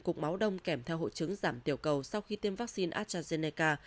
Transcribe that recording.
cục máu đông kèm theo hội chứng giảm tiểu cầu sau khi tiêm vaccine astrazeneca